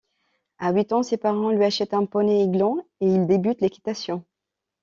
A huit ans, ses parents lui achète un poney Highland et il débute l'équitation.